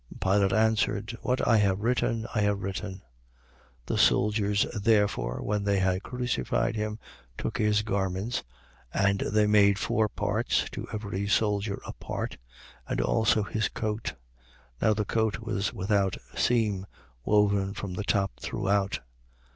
19:22. Pilate answered: What I have written, I have written. 19:23. The soldiers therefore, when they had crucified him, took his garments, (and they made four parts, to every soldier a part) and also his coat. Now the coat was without seam, woven from the top throughout.